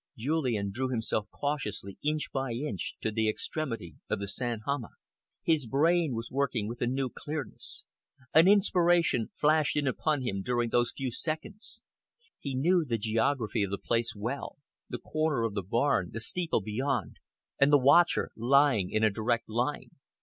Julian drew himself cautiously, inch by inch, to the extremity of the sand hummock. His brain was working with a new clearness. An inspiration flashed in upon him during those few seconds. He knew the geography of the place well, the corner of the barn, the steeple beyond, and the watcher lying in a direct line.